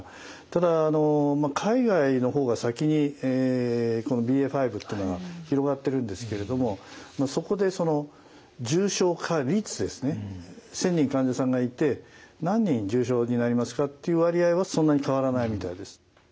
ただ海外の方が先にこのＢＡ．５っていうのが広がってるんですけれどもそこでその重症化率ですね１，０００人患者さんがいて何人重症になりますかっていう割合はそんなに変わらないみたいです。